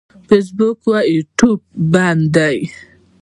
فیسبوک او یوټیوب بند دي.